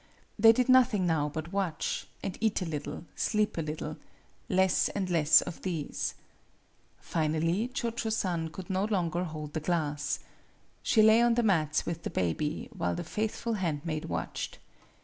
They did nothing now but watch and eat a little, sleep a little less and less of these. Finally Cho Cho San could no longer hold the glass. She lay on the mats with the baby, while the faithful 74 MADAME BUTTERFLY handmaid watched.